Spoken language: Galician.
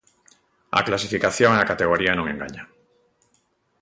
A clasificación e a categoría non enganan.